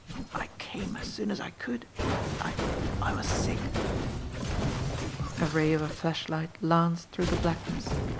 I came as soon as I could. I I was sick." A ray of a flashlight lanced through the blackness.